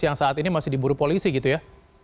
yang saat ini masih diburu polisi gitu ya